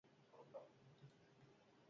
Leize honen sarrera, estua da.